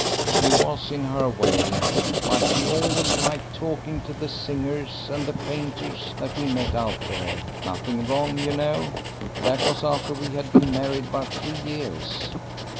"She was, in her way. But she always liked talking to the singers and the painters that we met out there. Nothing wrong, you know. That was after we had been married about three years."